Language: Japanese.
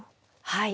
はい。